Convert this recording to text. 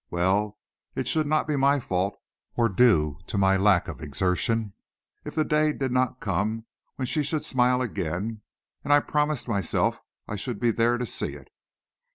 Well it should not be my fault, or due to my lack of exertion, if the day did not come when she should smile again, and I promised myself I should be there to see it.